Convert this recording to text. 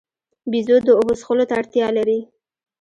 بیزو د اوبو څښلو ته اړتیا لري.